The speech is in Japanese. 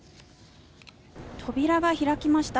扉が開きました。